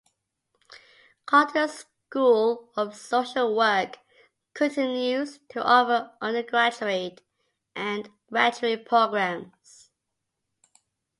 Carleton's School of Social Work continues to offer undergraduate and graduate programs.